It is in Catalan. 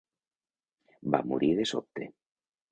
Va morir de sobte.